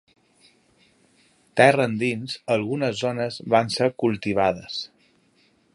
Terra endins, algunes zones van ser cultivades.